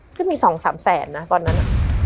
คือมี๒๓แสนนะตอนนั้น